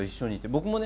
僕もね